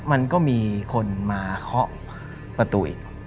มันก็มีคนมาเคาะประตูอีก